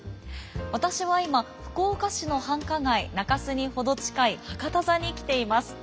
私は今福岡市の繁華街中洲に程近い博多座に来ています。